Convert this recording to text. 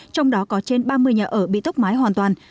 trong đó có trên ba mươi nhà ở bị tốc mái hoàn toàn